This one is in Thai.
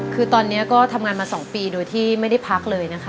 คือตอนนี้ก็ทำงานมา๒ปีโดยที่ไม่ได้พักเลยนะคะ